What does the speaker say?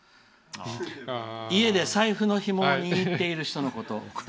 家で財布のひもを握っている人のこと」。